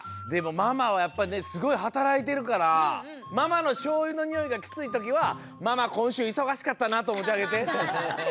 でもママはやっぱりねすごいはたらいてるからママのしょうゆのにおいがきついときは「ママこんしゅういそがしかったな」とおもってあげて！